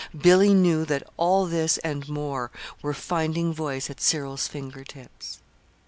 Billy knew that all this and more were finding voice at Cyril's finger tips.